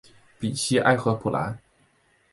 比西埃和普兰。